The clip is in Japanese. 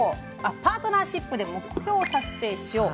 「パートナーシップで目標を達成しよう」。